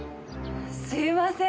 すいません。